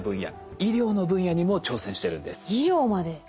医療まで。